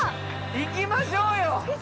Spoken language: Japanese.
行きましょうよやった！